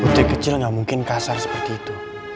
untuk kecil gak mungkin kasar seperti itu